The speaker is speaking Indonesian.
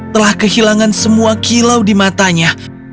telah kehilangan semua kilau di matanya